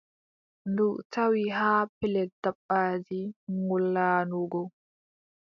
Ndu tawi haa pellel dabbaaji ngoolaano go,